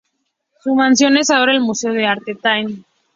Su mansión es ahora el Museo de Arte Taft.